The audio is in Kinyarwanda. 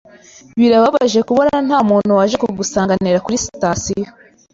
Birababaje kubona ntamuntu waje kugusanganira kuri sitasiyo.